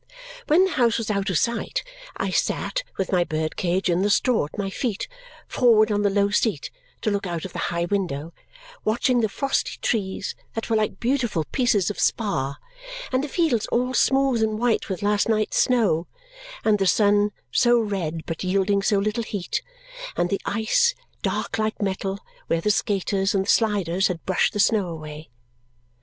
When the house was out of sight, I sat, with my bird cage in the straw at my feet, forward on the low seat to look out of the high window, watching the frosty trees, that were like beautiful pieces of spar, and the fields all smooth and white with last night's snow, and the sun, so red but yielding so little heat, and the ice, dark like metal where the skaters and sliders had brushed the snow away.